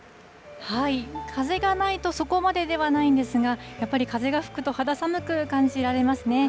風がないとそこまでではないんですが、やっぱり風が吹くと、肌寒く感じられますね。